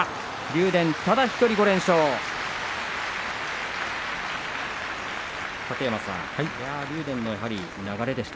竜電ただ１人５連勝です。